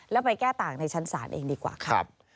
แล้วไปแก้ต่างในชั้นศาลเองดีกว่าครับ